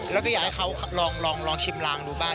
แล้วก็อยากให้เขาลองชิมรางดูบ้าง